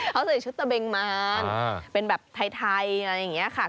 เขาใส่ชุดตะเบงมารเป็นแบบไทยอะไรอย่างนี้ค่ะ